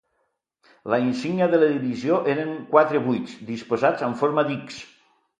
La insígnia de la divisió eren quatre "vuits" disposats en forma d'"X".